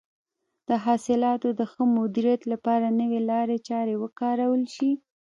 د حاصلاتو د ښه مدیریت لپاره نوې لارې چارې وکارول شي.